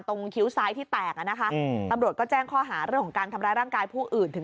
ตรงคิ้วซ้ายที่แตกอะนะคะอบรวดแจ้งข้อหาร่างคาวิธิการทำร้ายร่างกายผู้อื่น